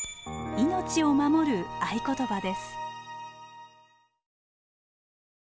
命を守る合言葉です。